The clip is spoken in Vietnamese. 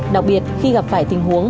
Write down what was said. đặc biệt khi gặp phải tình huống